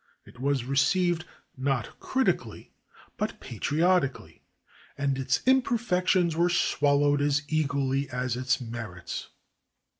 It was received, not critically, but patriotically, and its imperfections were swallowed as eagerly as its merits.